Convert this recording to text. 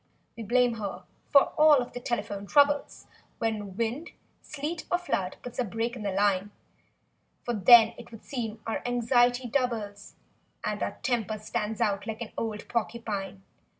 We blame her for all of the telephone troubles, When wind—sleet or flood puts a break in the line; For then, it would seem, our anxiety doubles, And our temper stands out like an old porcupine.